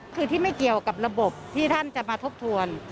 คือที่ไม่เกี่ยวกับระบบที่ท่านจะมาทบทวน